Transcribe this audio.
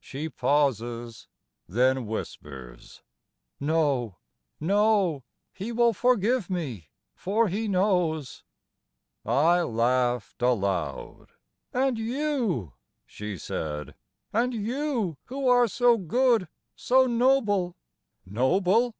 She pauses: then whispers: "No, no, He will forgive me, for He knows!" I laughed aloud: "And you," she said, "and you, Who are so good, so noble" ... "Noble?